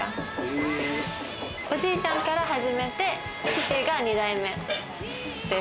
おじいちゃんから始めて、父が２代目。